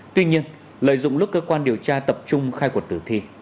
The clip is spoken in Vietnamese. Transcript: tuy nhiên lợi dụng lúc cơ quan điều tra tập trung khai quật tử thi